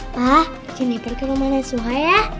pak jennifer ke rumah nenek suah ya